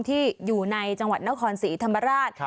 ที่อยู่ในจังหวัดนครศรีธรรมราช